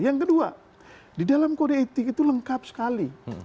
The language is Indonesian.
yang kedua di dalam kode etik itu lengkap sekali